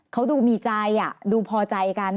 เขาดูมีใจดูพอใจกัน